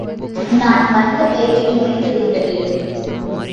நான் வந்த வேலை முடிந்துவிட்டது.